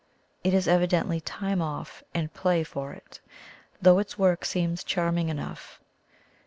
It is evi dently 'time o:ff' and play for it, though its work seems charming enough.